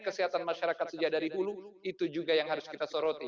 kesehatan masyarakat sejadar ibu lu itu juga yang harus kita soroti